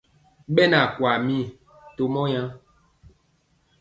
Ɓɛ nɛ akwaa mii to mɔ yaŋ.